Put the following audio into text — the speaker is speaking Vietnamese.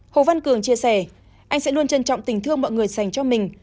hồ văn cường chia sẻ anh sẽ luôn trân trọng tình thương mọi người dành cho mình